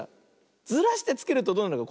ずらしてつけるとどうなるか。